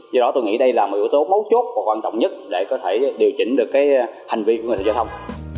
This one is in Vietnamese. do đó tôi nghĩ đây là một yếu tố mấu chốt và quan trọng nhất để có thể điều chỉnh được hành vi của người tham gia giao thông